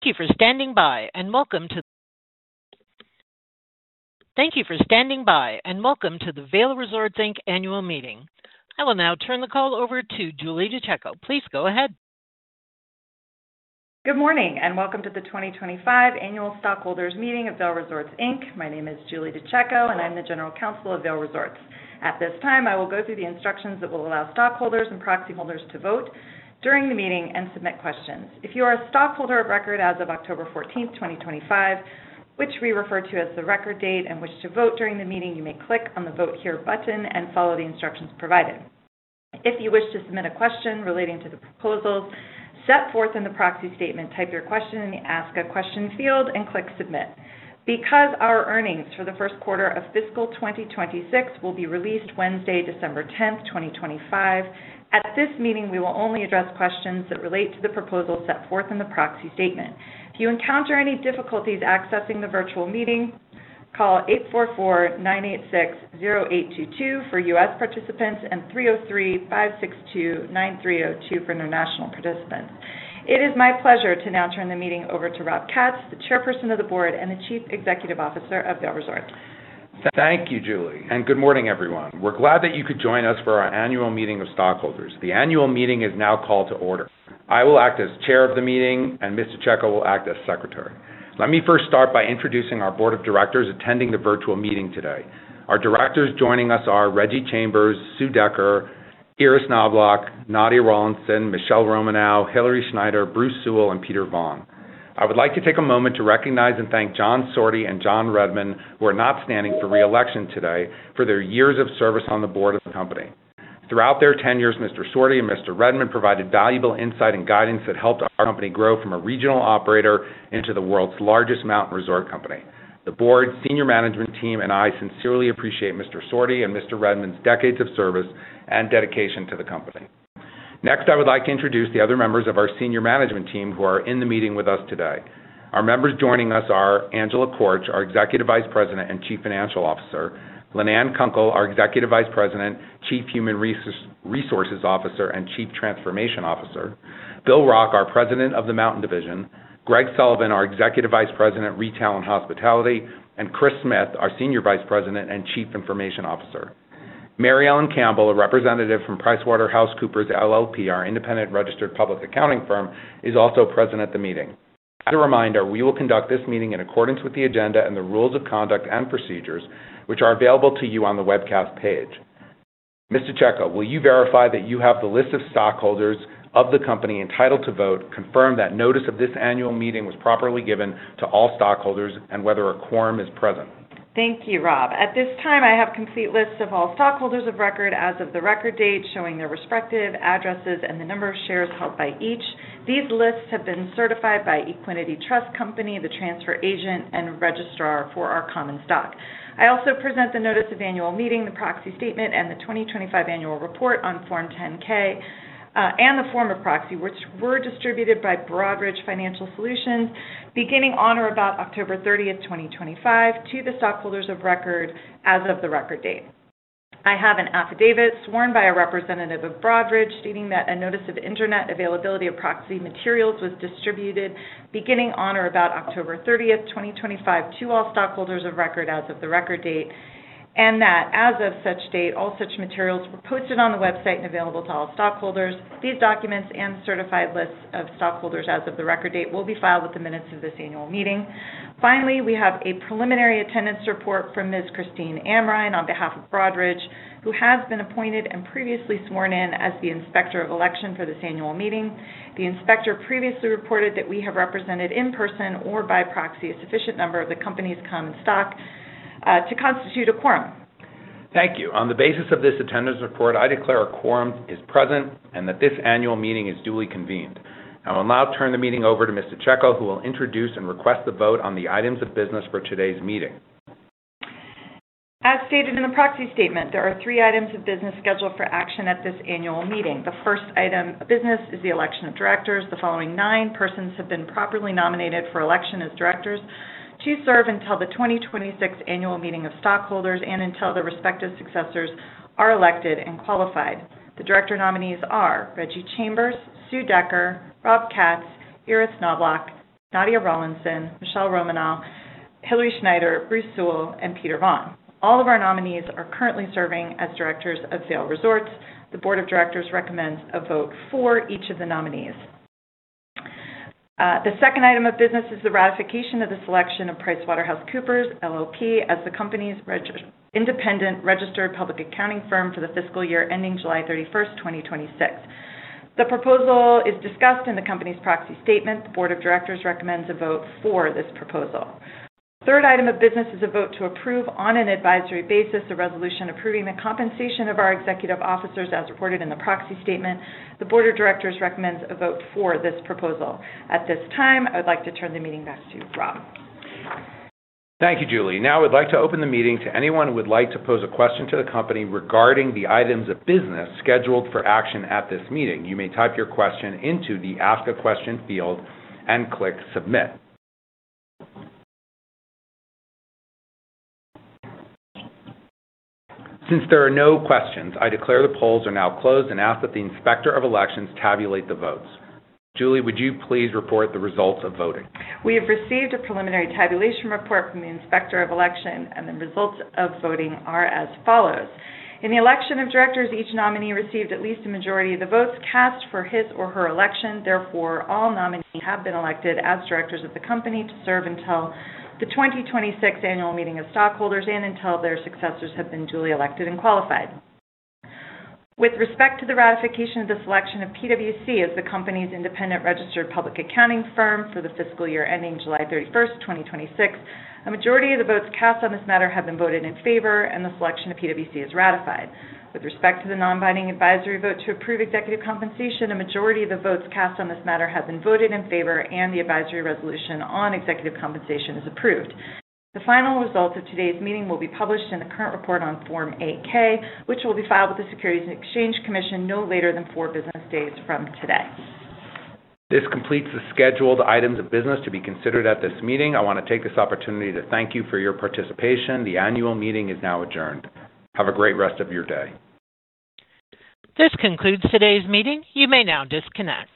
Thank you for standing by, and welcome to the Vail Resorts Inc. annual meeting. I will now turn the call over to Julie DeCecco. Please go ahead. Good morning, and welcome to the 2025 annual stockholders' meeting of Vail Resorts, Inc. My name is Julie DeCecco, and I'm the General Counsel of Vail Resorts. At this time, I will go through the instructions that will allow stockholders and proxy holders to vote during the meeting and submit questions. If you are a stockholder of record as of October 14, 2025, which we refer to as the record date, and wish to vote during the meeting, you may click on the "Vote Here" button and follow the instructions provided. If you wish to submit a question relating to the proposals set forth in the proxy statement, type your question in the "Ask a Question" field and click "Submit." Because our earnings for the first quarter of fiscal 2026 will be released Wednesday, December 10, 2025, at this meeting, we will only address questions that relate to the proposals set forth in the proxy statement. If you encounter any difficulties accessing the virtual meeting, call 844-986-0822 for U.S. participants and 303-562-9302 for international participants. It is my pleasure to now turn the meeting over to Rob Katz, the Chairperson of the Board and Chief Executive Officer of Vail Resorts. Thank you, Julie, and good morning, everyone. We're glad that you could join us for our annual meeting of stockholders. The annual meeting is now called to order. I will act as chair of the meeting, and Ms. DeCecco will act as secretary. Let me first start by introducing our board of directors attending the virtual meeting today. Our directors joining us are Reggie Chambers, Sue Decker, Iris Knobloch, Nadia Rawlinson, Michele Romanow, Hilary Schneider, Bruce Sewell, and Peter Vaughn. I would like to take a moment to recognize and thank John Sorte and John Redmond, who are not standing for reelection today, for their years of service on the board of the company. Throughout their tenures, Mr. Sorte and Mr. Redmond provided valuable insight and guidance that helped our company grow from a regional operator into the world's largest mountain resort company. The board, senior management team, and I sincerely appreciate Mr. Sorte and Mr. Redmond's decades of service and dedication to the company. Next, I would like to introduce the other members of our senior management team who are in the meeting with us today. Our members joining us are Angela Korch, our Executive Vice President and Chief Financial Officer. Lynanne Kunkel, our Executive Vice President, Chief Human Resources Officer, and Chief Transformation Officer. Bill Rock, our President of the Mountain Division. Greg Sullivan, our Executive Vice President, Retail and Hospitality. and Chris Smith, our Senior Vice President and Chief Information Officer. Mary Ellen Campbell, a representative from PricewaterhouseCoopers LLP, our independent registered public accounting firm, is also present at the meeting. As a reminder, we will conduct this meeting in accordance with the agenda and the rules of conduct and procedures, which are available to you on the webcast page. Ms. DeCecco, will you verify that you have the list of stockholders of the company entitled to vote, confirm that notice of this annual meeting was properly given to all stockholders, and whether a quorum is present? Thank you, Rob. At this time, I have a complete list of all stockholders of record as of the record date, showing their respective addresses and the number of shares held by each. These lists have been certified by Equiniti Trust Company, the transfer agent, and registrar for our common stock. I also present the notice of annual meeting, the proxy statement, and the 2025 annual report on Form 10-K and the form of proxy, which were distributed by Broadridge Financial Solutions beginning on or about October 30, 2025, to the stockholders of record as of the record date. I have an affidavit sworn by a representative of Broadridge stating that a notice of internet availability of proxy materials was distributed beginning on or about October 30, 2025, to all stockholders of record as of the record date, and that as of such date, all such materials were posted on the website and available to all stockholders. These documents and certified lists of stockholders as of the record date will be filed with the minutes of this annual meeting. Finally, we have a preliminary attendance report from Ms. Christine Amrein on behalf of Broadridge, who has been appointed and previously sworn in as the inspector of election for this annual meeting. The inspector previously reported that we have represented in person or by proxy a sufficient number of the company's common stock to constitute a quorum. Thank you. On the basis of this attendance report, I declare a quorum is present and that this annual meeting is duly convened. I will now turn the meeting over to Ms. DeCecco, who will introduce and request the vote on the items of business for today's meeting. As stated in the proxy statement, there are three items of business scheduled for action at this annual meeting. The first item of business is the election of directors. The following nine persons have been properly nominated for election as directors to serve until the 2026 annual meeting of stockholders and until the respective successors are elected and qualified. The director nominees are Reggie Chambers, Sue Decker, Rob Katz, Iris Knobloch, Nadia Rawlinson, Michele Romanow, Hilary Schneider, Bruce Sewell, and Peter Vaughn. All of our nominees are currently serving as directors of Vail Resorts. The board of directors recommends a vote for each of the nominees. The second item of business is the ratification of the selection of PricewaterhouseCoopers LLP as the company's independent registered public accounting firm for the fiscal year ending July 31, 2026. The proposal is discussed in the company's proxy statement. The board of directors recommends a vote for this proposal. The third item of business is a vote to approve on an advisory basis a resolution approving the compensation of our executive officers as reported in the proxy statement. The board of directors recommends a vote for this proposal. At this time, I would like to turn the meeting back to Rob. Thank you, Julie. Now, I would like to open the meeting to anyone who would like to pose a question to the company regarding the items of business scheduled for action at this meeting. You may type your question into the "Ask a Question" field and click "Submit." Since there are no questions, I declare the polls are now closed and ask that the Inspector of Election tabulate the votes. Julie, would you please report the results of voting? We have received a preliminary tabulation report from the inspector of election, and the results of voting are as follows. In the election of directors, each nominee received at least a majority of the votes cast for his or her election. Therefore, all nominees have been elected as directors of the company to serve until the 2026 annual meeting of stockholders and until their successors have been duly elected and qualified. With respect to the ratification of the selection of PwC as the company's independent registered public accounting firm for the fiscal year ending July 31, 2026, a majority of the votes cast on this matter have been voted in favor, and the selection of PwC is ratified. With respect to the non-binding advisory vote to approve executive compensation, a majority of the votes cast on this matter have been voted in favor, and the advisory resolution on executive compensation is approved. The final results of today's meeting will be published in the current report on Form 8-K, which will be filed with the Securities and Exchange Commission no later than four business days from today. This completes the scheduled items of business to be considered at this meeting. I want to take this opportunity to thank you for your participation. The annual meeting is now adjourned. Have a great rest of your day. This concludes today's meeting. You may now disconnect.